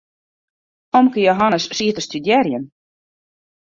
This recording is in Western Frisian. Omke Jehannes siet te studearjen.